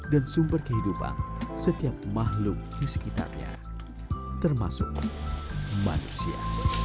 dan sumber kehidupan setiap makhluk di sekitarnya termasuk manusia